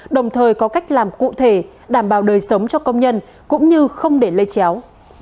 đồng thời có cách làm cụ thể đảm bảo đời sống cho công nhân cũng như không để lây chéo